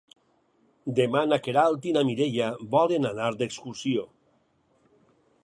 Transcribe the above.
Demà na Queralt i na Mireia volen anar d'excursió.